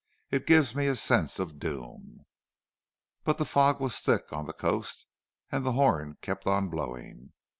"It gives me a sense of doom." But the fog was thick on the coast and the horn kept on blowing.